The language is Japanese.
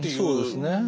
そうですね。